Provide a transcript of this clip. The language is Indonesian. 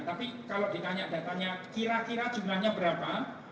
tapi kalau ditanya datanya kira kira jumlahnya berapa